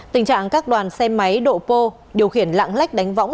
tình trạng các đoàn xe máy độ pô điều khiển lạng lách đánh võng